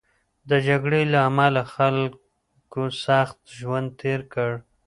د جګړې له امله خلکو سخت ژوند تېر کړ.